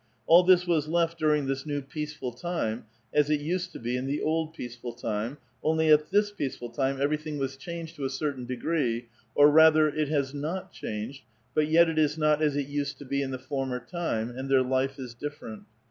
All this was left during this new peace ful time, as it used to be in the old peaceful time, only at this peaceful time everything has changed to a certain degree, or rather it has not changed, but yet it is not as it used to be in the former time ; and their life is different.